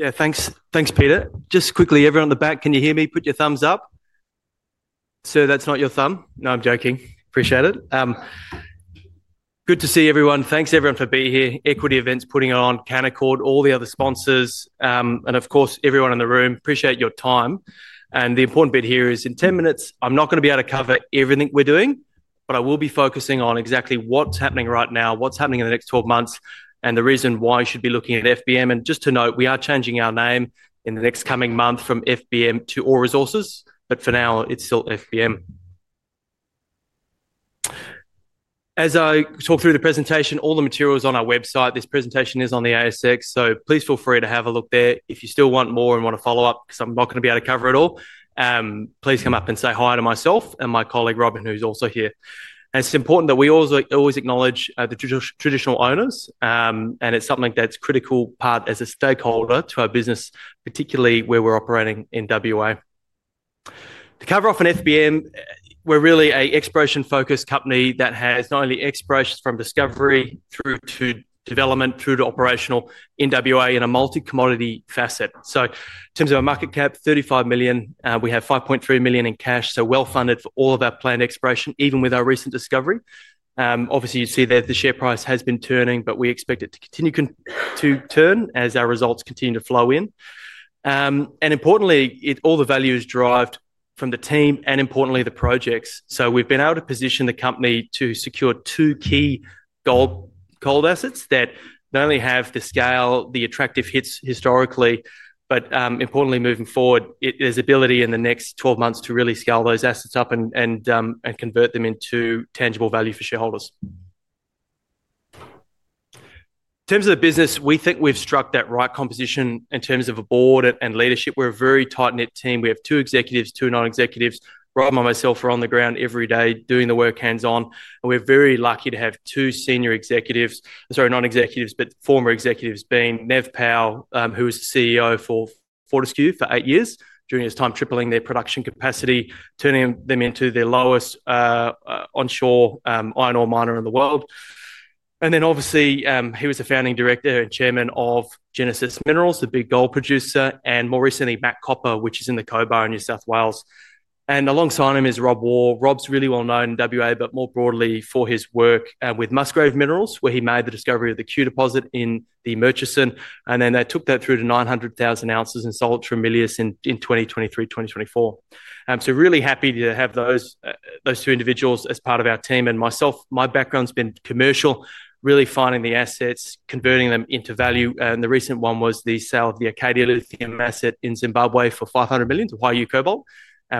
Yeah, thanks, thanks, Peter. Just quickly, everyone in the back, can you hear me? Put your thumbs up. Sir, that's not your thumb. No, I'm joking. Appreciate it. Good to see everyone. Thanks, everyone, for being here. Equity Events putting it on, Canaccord, all the other sponsors, and of course, everyone in the room. Appreciate your time. The important bit here is, in 10 minutes, I'm not going to be able to cover everything we're doing, but I will be focusing on exactly what's happening right now, what's happening in the next 12 months, and the reason why you should be looking at FBM. Just to note, we are changing our name in the next coming month from FBM to Ore Resources, but for now, it's still FBM. As I talk through the presentation, all the material is on our website. This presentation is on the ASX, so please feel free to have a look there. If you still want more and want to follow up, because I'm not going to be able to cover it all, please come up and say hi to myself and my colleague Robin, who's also here. It is important that we always acknowledge the traditional owners, and it's something that's a critical part as a stakeholder to our business, particularly where we're operating in WA. To cover off on FBM, we're really an exploration-focused company that has not only exploration from discovery through to development, through to operational in WA in a multi-commodity facet. In terms of our market cap, 35 million, we have 5.3 million in cash, so well funded for all of our planned exploration, even with our recent discovery. Obviously, you see that the share price has been turning, but we expect it to continue to turn as our results continue to flow in. Importantly, all the value is derived from the team and, importantly, the projects. We have been able to position the company to secure two key gold assets that not only have the scale, the attractive hits historically, but, importantly, moving forward, there is ability in the next 12 months to really scale those assets up and convert them into tangible value for shareholders. In terms of the business, we think we have struck that right composition in terms of a board and leadership. We are a very tight-knit team. We have two executives, two non-executives. Robin and myself are on the ground every day doing the work hands-on. We are very lucky to have two senior executives, sorry, not executives, but former executives being Nev Power, who was CEO for Fortescue for eight years. During his time, he tripled their production capacity, turning them into the lowest onshore iron ore miner in the world. He was the founding director and chairman of [Genesis Minerals], a big gold producer, and more recently, MAC Copper, which is in Cobar in New South Wales. Alongside him is Rob Waugh. Rob is really well known in WA, but more broadly for his work with Musgrave Minerals, where he made the discovery of the cue deposit in the Murchison, and then they took that through to 900,000 oz and sold to Ramilius in 2023-2024. We are really happy to have those two individuals as part of our team. My background's been commercial, really finding the assets, converting them into value. The recent one was the sale of the Arcadia lithium asset in Zimbabwe for 500 million, the Wahyu Cobalt,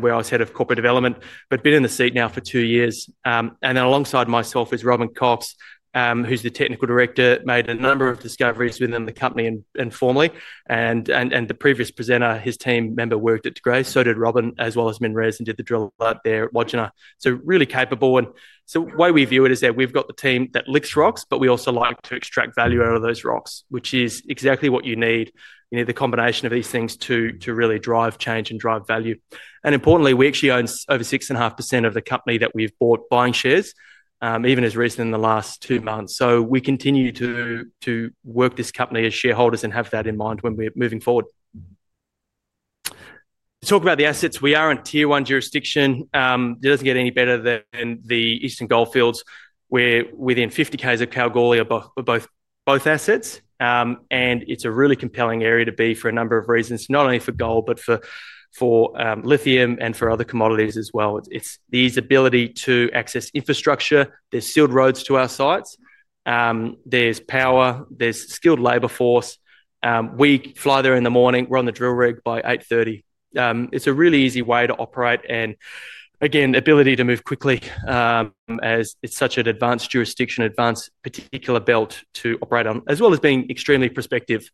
where I was Head of Corporate Development, but been in the seat now for two years. Alongside myself is Robin Cox, who's the Technical Director, made a number of discoveries within the company informally. The previous presenter, his team member worked at De Grey, so did Robin, as well as Mineral Resources, and did the drill up there at Wajana. Really capable. The way we view it is that we've got the team that licks rocks, but we also like to extract value out of those rocks, which is exactly what you need. You need the combination of these things to really drive change and drive value. Importantly, we actually own over 6.5% of the company that we've bought buying shares, even as recently in the last two months. We continue to work this company as shareholders and have that in mind when we're moving forward. Talking about the assets, we are in a tier one jurisdiction. It does not get any better than the Eastern Goldfields, where within 50 km of Kalgoorlie, both assets. It is a really compelling area to be for a number of reasons, not only for gold, but for lithium and for other commodities as well. It is the ease of ability to access infrastructure. There are sealed roads to our sites. There is power. There is a skilled labor force. We fly there in the morning. We are on the drill rig by 8:30 A.M. It is a really easy way to operate. Again, ability to move quickly as it is such an advanced jurisdiction, advanced particular belt to operate on, as well as being extremely prospective.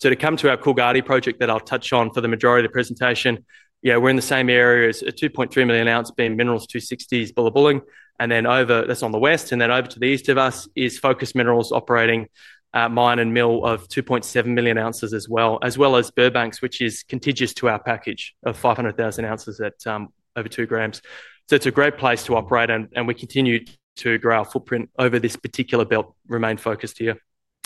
To come to our Coolgardie project that I will touch on for the majority of the presentation, yeah, we are in the same areas as 2.3 million oz minerals, [260s], Bullabulling. Over on the west, and then over to the east of us is Focus Minerals operating mine and mill of 2.7 million oz as well, as well as Burbanks, which is contiguous to our package of 500,000 oz at over 2 g. It is a great place to operate, and we continue to grow our footprint over this particular belt, remain focused here.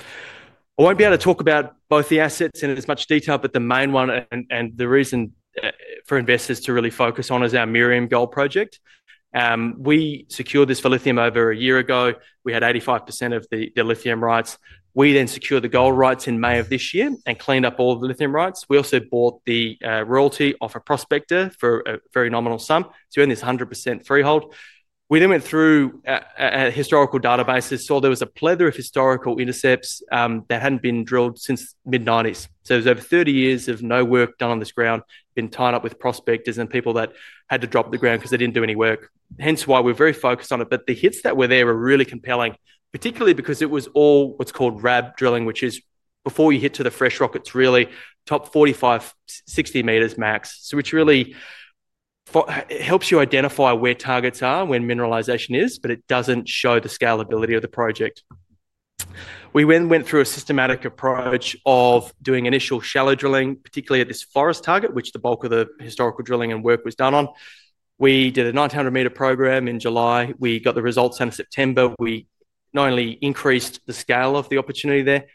I won't be able to talk about both the assets in as much detail, but the main one and the reason for investors to really focus on is our Miriam Gold project. We secured this for lithium over a year ago. We had 85% of the lithium rights. We then secured the gold rights in May of this year and cleaned up all the lithium rights. We also bought the royalty off a prospector for a very nominal sum. So, we're in this 100% freehold. We then went through historical databases, saw there was a plethora of historical intercepts that hadn't been drilled since the mid-1990s. It was over 30 years of no work done on this ground, been tied up with prospectors and people that had to drop the ground because they didn't do any work. Hence why we're very focused on it. The hits that were there were really compelling, particularly because it was all what's called RAB drilling, which is before you hit the fresh rock. It's really top 45-60 m max, which really helps you identify where targets are, where mineralization is, but it doesn't show the scalability of the project. We went through a systematic approach of doing initial shallow drilling, particularly at this Forest target, which the bulk of the historical drilling and work was done on. We did a 900 m program in July. We got the results in September. We not only increased the scale of the opportunity there,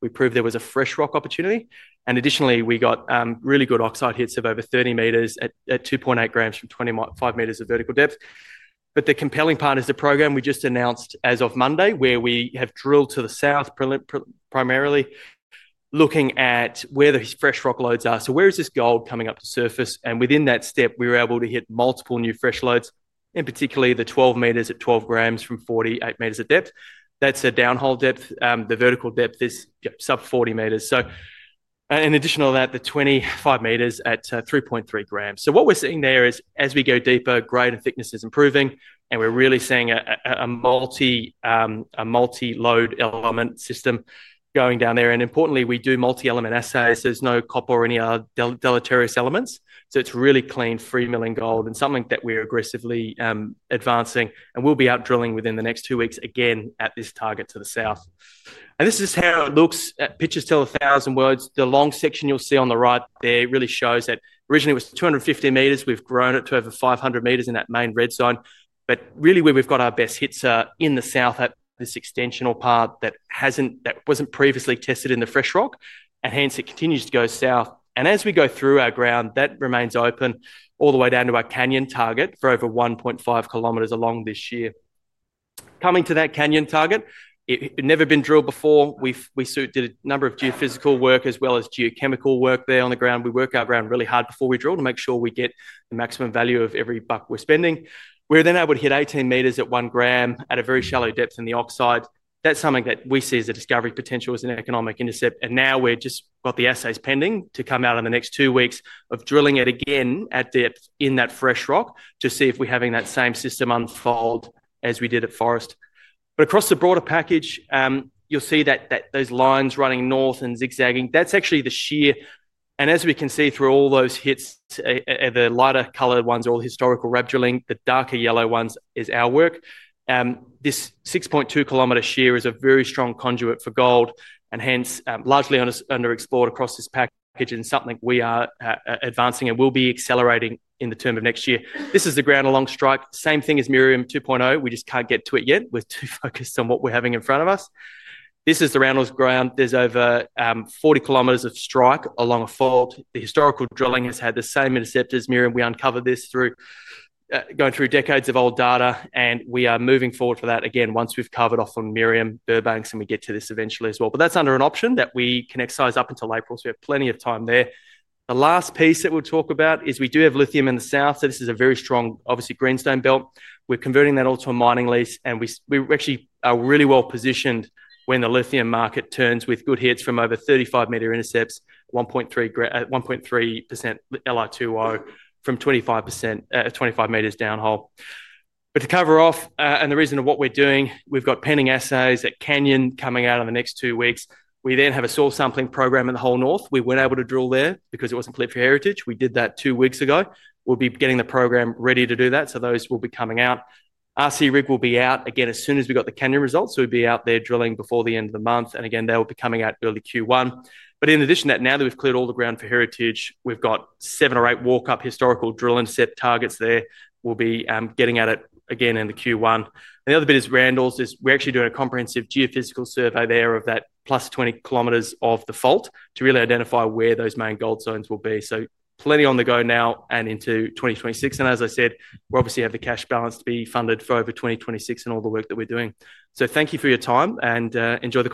we proved there was a fresh rock opportunity. Additionally, we got really good oxide hits of over 30 m at 2.8 g from 25 m of vertical depth. The compelling part is the program we just announced as of Monday, where we have drilled to the south primarily, looking at where the fresh rock loads are. So, where is this gold coming up to surface? Within that step, we were able to hit multiple new fresh loads, in particular the 12 m at 12 g from 48 m of depth. That is a downhole depth. The vertical depth is sub 40 m. In addition to that, the 25 m at 3.3 g. What we are seeing there is, as we go deeper, grade and thickness is improving, and we are really seeing a multi-load element system going down there. Importantly, we do multi-element assays. There is no copper or any other deleterious elements. It is really clean free milling gold and something that we are aggressively advancing. We'll be out drilling within the next two weeks again at this target to the south. This is how it looks. Pictures tell a thousand words. The long section you'll see on the right there really shows that originally it was 250 m. We've grown it to over 500 m in that main red zone. Really, where we've got our best hits are in the south at this extensional part that was not previously tested in the fresh rock. Hence, it continues to go south. As we go through our ground, that remains open all the way down to our Canyon target for over 1.5 km along this shear. Coming to that Canyon target, it had never been drilled before. We did a number of geophysical work as well as geochemical work there on the ground. We work our ground really hard before we drill to make sure we get the maximum value of every buck we're spending. We were then able to hit 18 m at 1 g at a very shallow depth in the oxide. That is something that we see as a discovery potential as an economic intercept. Now we've just got the assays pending to come out in the next two weeks of drilling it again at depth in that fresh rock to see if we're having that same system unfold as we did at Forrest. Across the broader package, you'll see that those lines running north and zigzagging, that's actually the shear. As we can see through all those hits, the lighter colored ones are all historical RAB drilling. The darker yellow ones is our work. This 6.2 km shear is a very strong conduit for gold and hence largely underexplored across this package and something we are advancing and will be accelerating in the term of next year. This is the ground along strike. Same thing as Miriam 2.0. We just can't get to it yet. We're too focused on what we're having in front of us. This is the Randalls ground. There's over 40 km of strike along a fault. The historical drilling has had the same intercepts as Miriam. We uncovered this through going through decades of old data, and we are moving forward for that again once we've covered off on Miriam, Burbanks, and we get to this eventually as well. That's under an option that we can excise up until April, so we have plenty of time there. The last piece that we'll talk about is we do have lithium in the south. This is a very strong, obviously, greenstone belt. We're converting that all to a mining lease, and we actually are really well positioned when the lithium market turns with good hits from over 35 m intercepts, 1.3% Li2O from 25 m downhole. To cover off, and the reason of what we're doing, we've got pending assays at Canyon coming out in the next two weeks. We then have a soil sampling program in the whole north. We were not able to drill there because it was not clear for heritage. We did that two weeks ago. We'll be getting the program ready to do that, so those will be coming out. RC rig will be out again as soon as we got the Canyon results. We'll be out there drilling before the end of the month. Again, they will be coming out early Q1. In addition to that, now that we've cleared all the ground for heritage, we've got seven or eight walk-up historical drill intercept targets there. We'll be getting at it again in Q1. The other bit is Randalls. We're actually doing a comprehensive geophysical survey there of that plus 20 km of the fault to really identify where those main gold zones will be. Plenty on the go now and into 2026. As I said, we obviously have the cash balance to be funded for over 2026 and all the work that we're doing. Thank you for your time and enjoy the call.